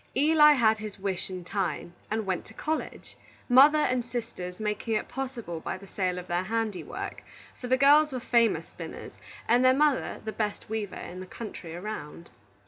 Eli had his wish in time, and went to college, mother and sisters making it possible by the sale of their handiwork; for the girls were famous spinners, and the mother the best weaver in the country around.